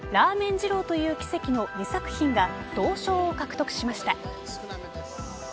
二郎という奇跡の２作品が銅賞を獲得しました。